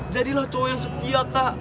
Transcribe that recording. jadilah cowok yang setia kak